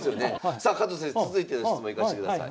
さあ加藤先生続いての質問いかしてください。